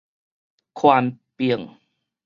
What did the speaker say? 權柄